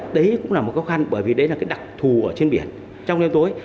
đấy cũng là một khó khăn bởi vì đấy là cái đặc thù ở trên biển trong đêm tối